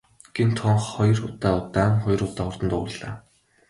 Гэнэт хонх хоёр удаа удаан, хоёр удаа хурдан дуугарлаа.